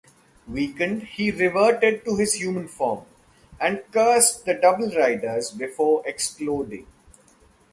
Weakened, he reverted to his human form and cursed the Double Riders before exploding.